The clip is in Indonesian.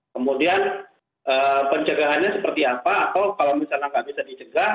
kemudian pencegahannya seperti apa atau kalau misalnya nggak bisa dicegah